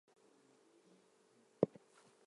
Most railroad companies are publicly traded with stocks.